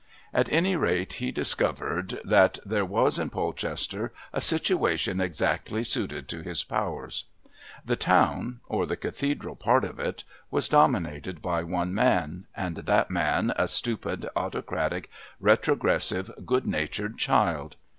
At any rate he discovered that there was in Polchester a situation exactly suited to his powers. The town, or the Cathedral part of it, was dominated by one man, and that man a stupid, autocratic, retrogressive, good natured child.